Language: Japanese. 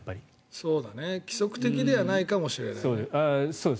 そうだね規則的ではないかもしれない。